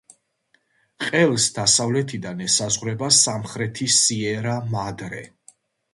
ყელს დასავლეთიდან ესაზღვრება სამხრეთი სიერა-მადრე.